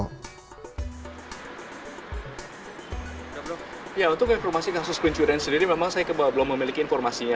untuk informasi kasus pencurian sendiri memang saya belum memiliki informasinya